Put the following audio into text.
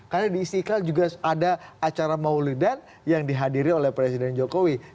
karena di istiqlal juga ada acara maulidat yang dihadiri oleh presiden jokowi